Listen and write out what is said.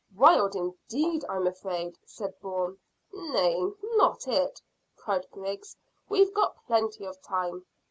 "Wild indeed, I'm afraid," said Bourne. "Nay! Not it," cried Griggs. "We've got plenty of time."